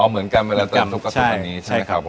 อ๋อเหมือนกันเวลาเติมซุปก็จะเป็นอันนี้ใช่ไหมครับ